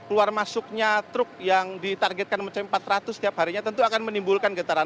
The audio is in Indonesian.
keluar masuknya truk yang ditargetkan mencapai empat ratus setiap harinya tentu akan menimbulkan getaran